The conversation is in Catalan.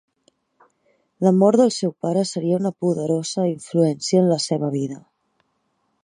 La mort del seu pare seria una poderosa influència en la seva vida.